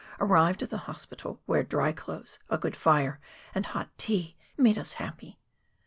arrived at the Hospital, where dry clothes, a good fire, and hot tea made us happy.